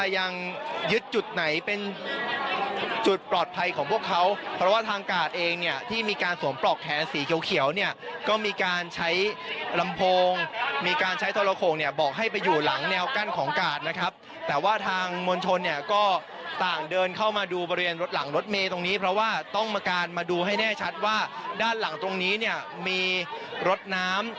ยังยึดจุดไหนเป็นจุดปลอดภัยของพวกเขาเพราะว่าทางกาดเองเนี่ยที่มีการสวมปลอกแขนสีเขียวเขียวเนี่ยก็มีการใช้ลำโพงมีการใช้ทรโขงเนี่ยบอกให้ไปอยู่หลังแนวกั้นของกาดนะครับแต่ว่าทางมวลชนเนี่ยก็ต่างเดินเข้ามาดูบริเวณรถหลังรถเมย์ตรงนี้เพราะว่าต้องมาการมาดูให้แน่ชัดว่าด้านหลังตรงนี้เนี่ยมีรถน้ำ